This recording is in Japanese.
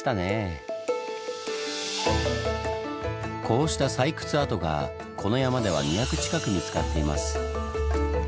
こうした採掘跡がこの山では２００近く見つかっています。